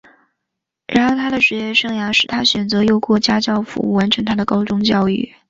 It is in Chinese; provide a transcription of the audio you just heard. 然而他的职业生涯使他选择透过家教服务完成他的高中教育。